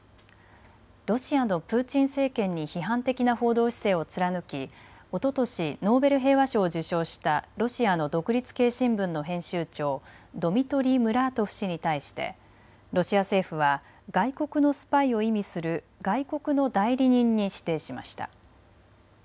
ロシアのプーチン政権に批判的な報道姿勢を貫きおととしノーベル平和賞を受賞したロシアの独立系新聞の編集長、ドミトリー・ムラートフ氏に対してロシア政府は外国のスパイを意味する外国の代理人に指定しました。